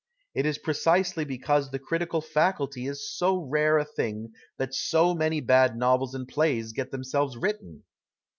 It is precisely because the critical faculty is so rare a thing that so many bad novels and plaj's get them selves written.